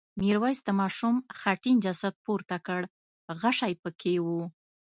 میرويس د ماشوم خټین جسد پورته کړ غشی پکې و.